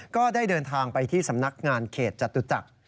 ก็ได้เดินทางไปที่สำนักงานเขตจตุจักร